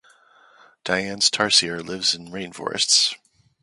Dian's tarsier lives in rainforests.